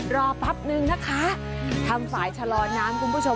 รอแป๊บนึงนะคะทำฝ่ายชะลอน้ำคุณผู้ชม